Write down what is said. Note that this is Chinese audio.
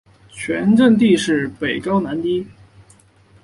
全镇地势北高南低。